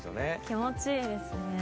気持ちいいですね。